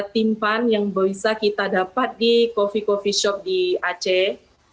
tim fan yang bisa kita dapat di coffee coffee shop di aceh